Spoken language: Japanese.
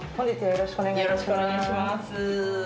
よろしくお願いします。